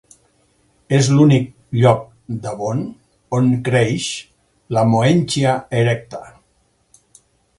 És l'únic lloc d'Avon on creix la "moenchia erecta".